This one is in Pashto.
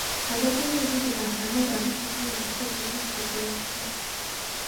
ازادي راډیو د بهرنۍ اړیکې په اړه د ښځو غږ ته ځای ورکړی.